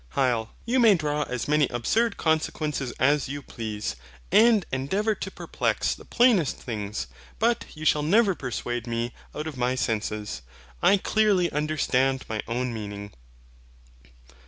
HYL. You may draw as many absurd consequences as you please, and endeavour to perplex the plainest things; but you shall never persuade me out of my senses. I clearly understand my own meaning.